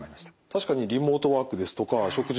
確かにリモートワークですとか食事のデリバリー。